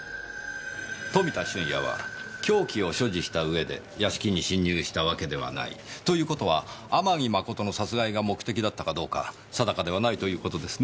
富田俊也は凶器を所持したうえで屋敷に侵入したわけではない。という事は天城真の殺害が目的だったかどうか定かではないという事ですね？